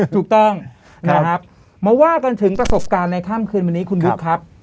ถูกต้องนะครับมาว่ากันถึงประสบการณ์ในค่ำคืนวันนี้คุณบุ๊คครับ